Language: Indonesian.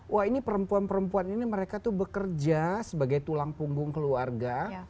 wah ini perempuan perempuan ini mereka tuh bekerja sebagai tulang punggung keluarga